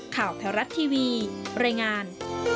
ข่าวแถวรัฐทีวีรายงาน